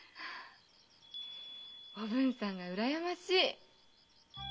おぶんさんが羨ましい。